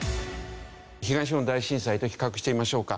東日本大震災と比較してみましょうか。